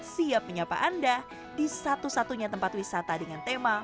siap menyapa anda di satu satunya tempat wisata dengan tema